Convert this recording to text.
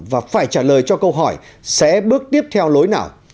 và phải trả lời cho câu hỏi sẽ bước tiếp theo lối nào